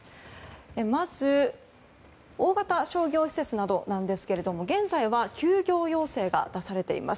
まず、大型商業施設などですが現在は休業要請が出されています。